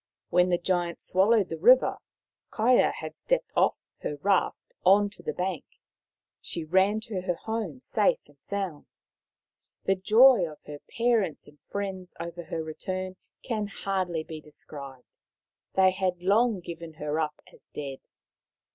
When the Giant swallowed the river Kaia had stepped off her raft on to the bank. She ran to her home, safe and sound. The joy of her parents and friends over her return can hardly be described. They had long given her up as dead.